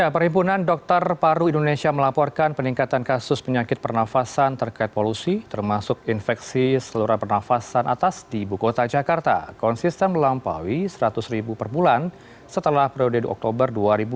perhimpunan dokter paru indonesia melaporkan peningkatan kasus penyakit pernafasan terkait polusi termasuk infeksi seluruh pernafasan atas di ibu kota jakarta konsisten melampaui seratus ribu per bulan setelah periode oktober dua ribu dua puluh